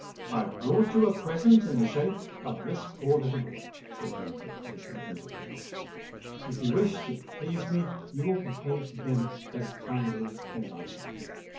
"I have brought you a present in the shape of this poor little boy," said Rainford as he entered the house. "If you wish to please me, you will behave to him as kindly as I shall."